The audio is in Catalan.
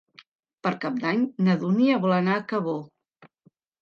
Per Cap d'Any na Dúnia vol anar a Cabó.